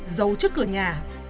giấu trước cửa nhà